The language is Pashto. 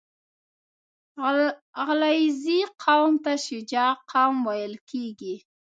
• علیزي قوم ته شجاع قوم ویل کېږي.